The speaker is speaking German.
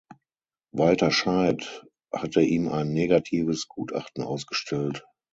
Walter Scheidt hatte ihm ein negatives Gutachten ausgestellt.